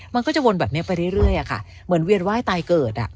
มันก็จะวนแบบนี้ไปเรื่อยอะค่ะเหมือนเวียนไหว้ตายเกิด